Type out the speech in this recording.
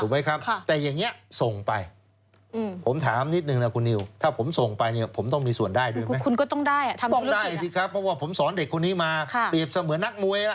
เพราะว่าผมสอนเด็กคนนี้มาเปรียบเหมือนนักมวยล่ะ